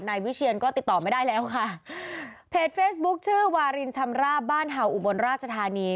นายวิเชียนก็ติดต่อไม่ได้แล้วค่ะเพจเฟซบุ๊คชื่อวารินชำราบบ้านเห่าอุบลราชธานี